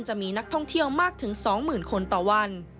จะมีนักท่องเที่ยวมากถึง๒๐๐๐คนต่อวัน